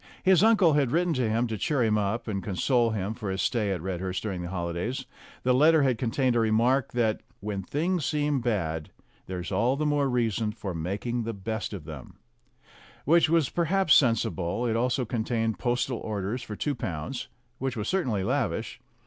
His uncle had written to him to cheer him up, and console him for his stay at Red hurst during the holidays. The letter had contained a remark that "When things seem bad, there's all the more reason for making the best of them," which was perhaps sensible; it also contained postal orders for two pounds, which was certainly lavish.